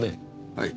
はい。